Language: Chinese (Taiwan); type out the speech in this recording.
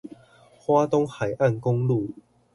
花東海岸公路